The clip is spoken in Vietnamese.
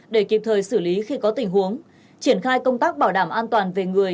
để kịp thời xử lý khi có tình huống triển khai công tác bảo đảm an toàn về người